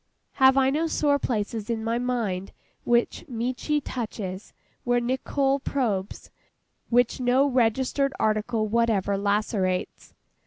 Have I no sore places in my mind which MECHI touches—which NICOLL probes—which no registered article whatever lacerates?